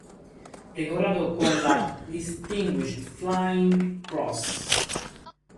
Decorato con la Distinguished Flying Cross.